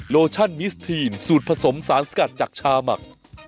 โลชั่นมิสทีนสูตรผสมสารสกัดจากชาหมัก